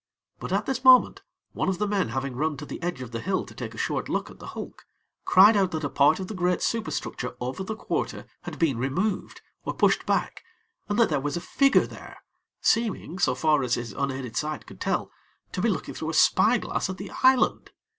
But at this moment, one of the men having run to the edge of the hill to take a short look at the hulk, cried out that a part of the great superstructure over the quarter had been removed, or pushed back, and that there was a figure there, seeming, so far as his unaided sight could tell, to be looking through a spy glass at the island.